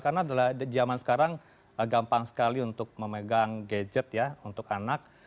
karena zaman sekarang gampang sekali untuk memegang gadget ya untuk anak